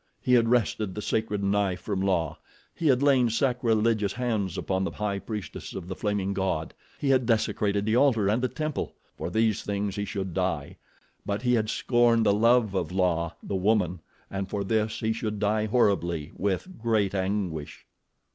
He had wrested the sacred knife from La; he had lain sacrilegious hands upon the High Priestess of the Flaming God; he had desecrated the altar and the temple. For these things he should die; but he had scorned the love of La, the woman, and for this he should die horribly with great anguish.